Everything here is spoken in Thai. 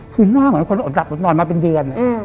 คือหน้าเหมือนคนอดหลับอดนอนมาเป็นเดือน